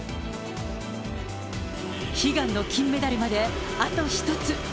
悲願の金メダルまであと１つ。